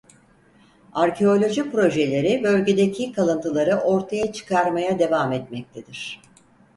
Arkeoloji projeleri bölgedeki kalıntıları ortaya çıkarmaya devam etmektedir.